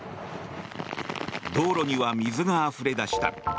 道路には水があふれ出した。